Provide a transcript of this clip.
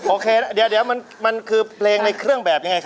โอเคเดี๋ยวมันคือ